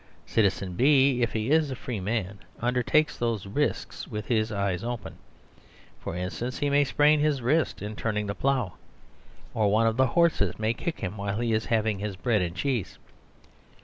Citizen B, if he is a free man, undertakes those risks with his eyes open. For instance, he may sprain his wrist in turning the plough, or one of the horses may kick him while he is having his bread and cheese.